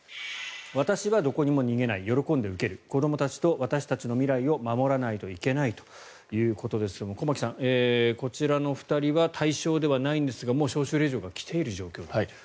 私はどこにも逃げない喜んで受ける子どもたちと私たちの未来を守らないといけないということですが駒木さん、こちらの２人は対象ではないんですがもう招集令状が来ている状況だと。